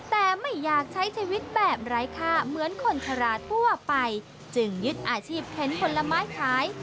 แต่ไม่อยากใช้ชีวิตแบบไร้ค่าเหมือนคนชะลาทั่วไปจึงยึดอาชีพเข็นผลไม้ขาย